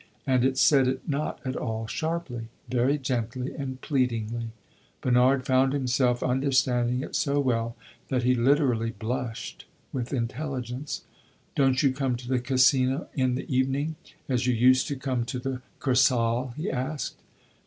And it said it not at all sharply very gently and pleadingly. Bernard found himself understanding it so well that he literally blushed with intelligence. "Don't you come to the Casino in the evening, as you used to come to the Kursaal?" he asked.